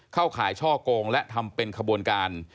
ข่ายช่อกงและทำเป็นขบวนการ